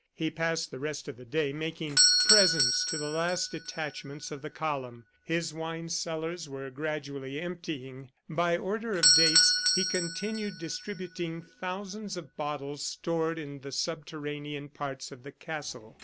He passed the rest of the day making presents to the last detachments of the column. His wine cellars were gradually emptying. By order of dates, he continued distributing thousands of bottles stored in the subterranean parts of the castle.